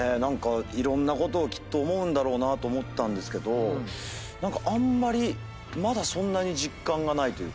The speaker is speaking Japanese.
いろんなことをきっと思うんだろうなと思ったんですけど何かあんまりまだそんなに実感がないというか。